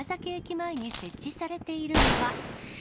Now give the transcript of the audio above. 前に設置されているのは。